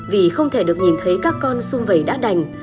vì không thể được nhìn thấy các con xung vẩy đã đành